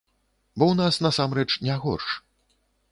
Бо ў нас насамрэч не горш.